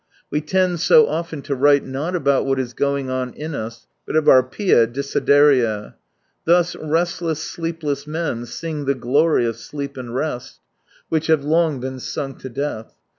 We tend so often to write not about what is going on in us, but of our pta desideria. Thus restles.s, sleepless men sing the glory of sleep and rest, which 187 have long been sung to death.